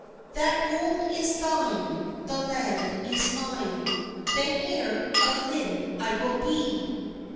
"That gold is thine, the land is mine, The heire of Lynne I will bee."